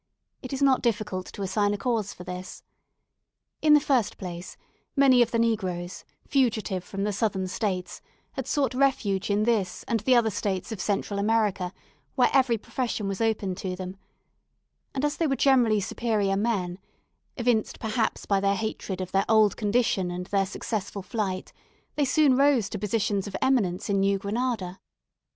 It is not difficult to assign a cause for this. In the first place, many of the negroes, fugitive from the Southern States, had sought refuge in this and the other States of Central America, where every profession was open to them; and as they were generally superior men evinced perhaps by their hatred of their old condition and their successful flight they soon rose to positions of eminence in New Granada.